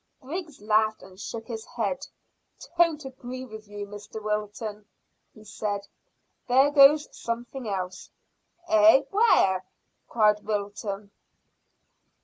Griggs laughed and shook his head. "Don't agree with you, Mr Wilton," he said. "There goes something else." "Eh? Where?" cried Wilton.